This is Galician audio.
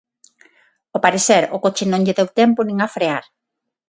Ao parecer, ao coche non lle deu tempo nin a frear.